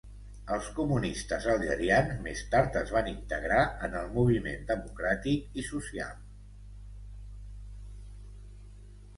Els comunistes algerians més tard es van integrar en el Moviment Democràtic i Social.